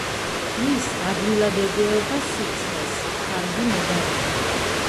ის ადვილად ეგუება სიცხეს, კარგი მოდარაჯეა.